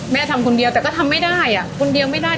ทำคนเดียวแต่ก็ทำไม่ได้อ่ะคนเดียวไม่ได้